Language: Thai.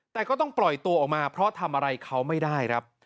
แต่ก็ต้องปล่อยตัวออกมาเพราะทำอะไรเขาไม่ได้ครับ